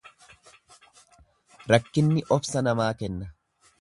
Rakkinni obsa namaa kenna.